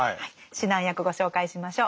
指南役ご紹介しましょう。